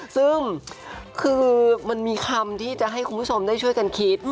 ซึ่งคือมันมีคำที่จะให้คุณผู้ชมได้ช่วยกันคิด